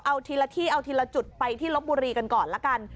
เอาทีละที่เอาทีละจุดไปที่ลบบุรีกันก่อนละกัน